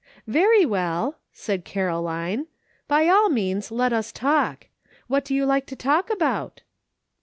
"Veiy well," said Caroline, "by all means let us talk. What do you like to talk about?"